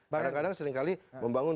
kadang kadang seringkali membangun